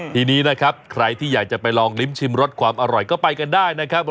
ทีนี้นะครับใครที่อยากจะไปลองลิ้มชิมรสความอร่อยก็ไปกันได้นะครับ